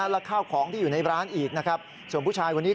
โทษทีโทษทีโทษทีโทษทีโทษที